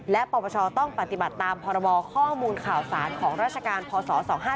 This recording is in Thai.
และปปชต้องปฏิบัติตามพรบข้อมูลข่าวสารของราชการพศ๒๕๖